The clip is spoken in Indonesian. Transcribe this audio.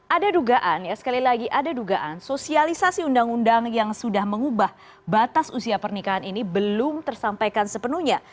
ada dugaan ya sekali lagi ada dugaan sosialisasi undang undang yang sudah mengubah batas usia pernikahan ini belum tersampaikan sepenuhnya